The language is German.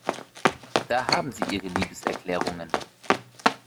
Da haben Sie Ihre Liebeserklärungen.